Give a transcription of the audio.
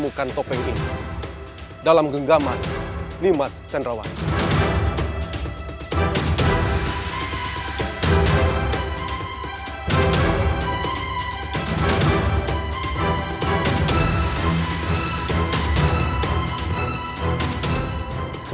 petair peperiksaan tidak terluka